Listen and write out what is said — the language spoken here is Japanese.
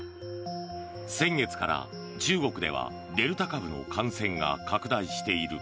先月から中国ではデルタ株の感染が拡大している。